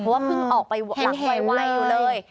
เพราะว่าเพิ่งออกไปหลังไวอยู่เลย